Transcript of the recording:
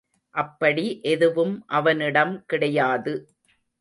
அப்படி எதுவும் அவனிடம் கிடையாது.